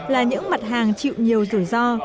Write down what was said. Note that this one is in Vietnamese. là những mặt hàng chịu nhiều rủi ro